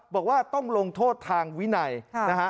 บอกว่าต้องลงโทษทางวินัยนะฮะ